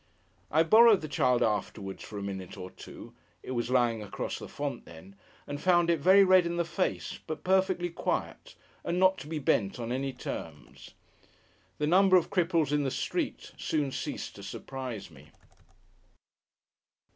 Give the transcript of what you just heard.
I borrowed the child afterwards, for a minute or two (it was lying across the font then), and found it very red in the face but perfectly quiet, and not to be bent on any terms. The number of cripples in the streets, soon ceased to surprise me.